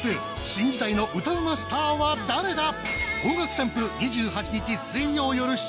新時代の歌うまスターは誰だ！？